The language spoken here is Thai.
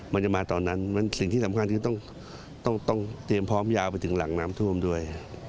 มันจะมาตอนนั้นสิ่งที่สำคัญคือต้องเตรียมพร้อมยาวไปถึงหลังน้ำท่วมด้วย